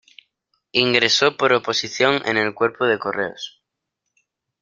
Ingresó por oposición en el cuerpo de Correos.